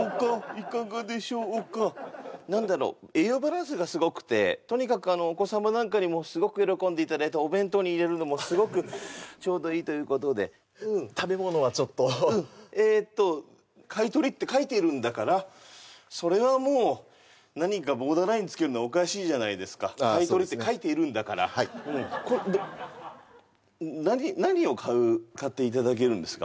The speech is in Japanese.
いかがでしょうか何だろう栄養バランスがすごくてとにかくお子様なんかにもすごく喜んでいただいてお弁当に入れるのもすごくちょうどいいということで食べ物はちょっとうんえーっと「買取」って書いているんだからそれはもう何かボーダーラインつけるのはおかしいじゃないですか「買取」って書いているんだからはいこれ何を買う買っていただけるんですか？